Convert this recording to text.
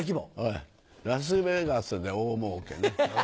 ラスベガスで大もうけね。